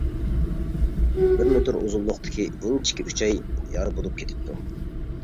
بىر مېتىر ئۇزۇنلۇقتىكى ئىنچىكە ئۈچەي يارا بولۇپ كېتىپتۇ.